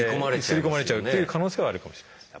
すり込まれちゃうっていう可能性はあるかもしれないです。